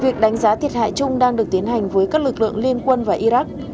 việc đánh giá thiệt hại chung đang được tiến hành với các lực lượng liên quân và iraq